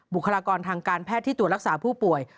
บุคลากรทางการแพทย์ที่ตรวจรักษาผู้ป่วย